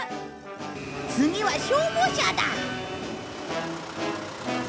次は消防車だ！